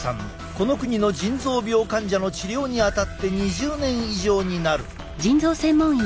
この国の腎臓病患者の治療にあたって２０年以上になる。